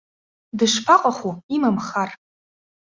Дышԥаҟаху, имам хар.